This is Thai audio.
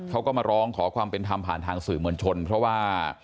เขาก็มาร้องขอความเป็นธรรมผ่านทางสื่อมวลชนเพราะว่า